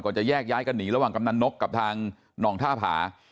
จะแยกย้ายกันหนีระหว่างกำนันนกกับทางหนองท่าผา